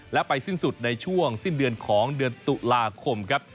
และไปสิ้นสุดในช่วงสิ้นเดือนของเดือนตุลาคมครับ